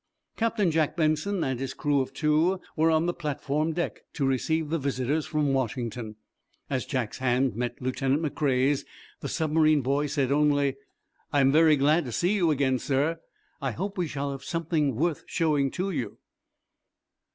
Captain Jack Benson and his crew of two were on the platform deck to receive the visitors from Washington. As Jack's hand met Lieutenant McCrea's the submarine boy said only: "I am very glad to see you again, sir. I hope we shall have something worth showing to you."